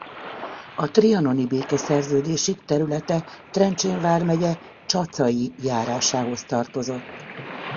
A trianoni békeszerződésig területe Trencsén vármegye Csacai járásához tartozott.